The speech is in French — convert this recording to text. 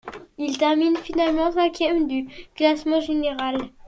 Il termine finalement cinquième du classement général.